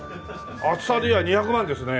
厚さで言えば２００万ですね。